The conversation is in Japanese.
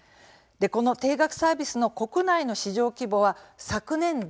定額サービスの国内の市場規模は昨年度